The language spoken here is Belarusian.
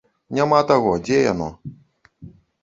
Няма таго, дзе яно?